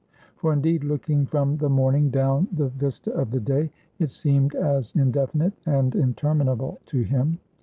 For, indeed, looking from the morning down the vista of the day, it seemed as indefinite and interminable to him.